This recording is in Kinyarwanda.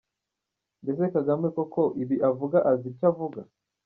Mbese Kagame koko ibi abivuga azi icyo avuga?